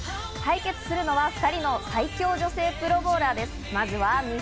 対決するのは２人の最強女性プロボウラーです。